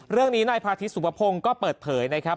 เรื่องนี้นายพาทิตสุภพงศ์ก็เปิดเผยนะครับ